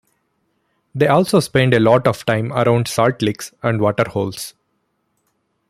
They also spend a lot of time around salt licks and water holes.